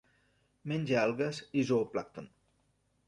Menja algues i zooplàncton.